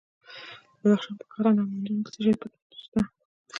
د بدخشان په کران او منجان کې څه شی شته؟